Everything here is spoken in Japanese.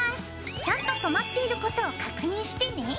ちゃんと止まっていることを確認してね。